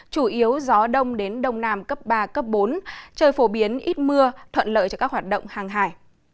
chủ yếu gió đông đến đông nam cấp ba bốn trời phổ biến ít mưa thuận lợi cho các hoạt động hàng hải